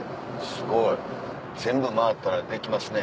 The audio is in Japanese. すごい全部回ったらできますね